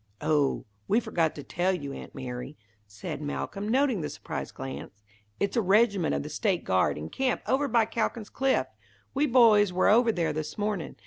"Oh, we forgot to tell you, Aunt Mary," said Malcolm, noting the surprised glance, "It's a regiment of the State Guard, in camp over by Calkin's Cliff. We boys were over there this morning.